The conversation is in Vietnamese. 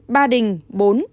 ba đình bốn